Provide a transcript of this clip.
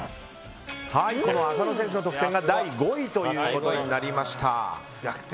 この浅野選手の得点が第５位となりました。